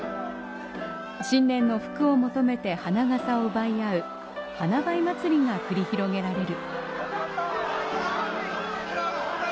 新年の福を求めて花笠を奪い合う花奪い祭りが繰り広げられる。